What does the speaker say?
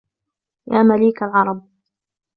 يا مليك العربِ